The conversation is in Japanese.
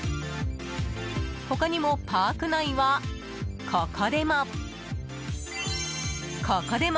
他にもパーク内はここでも、ここでも！